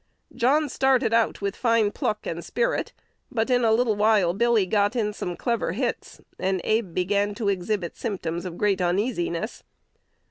John started out with fine pluck and spirit; but in a little while Billy got in some clever hits, and Abe began to exhibit symptoms of great uneasiness.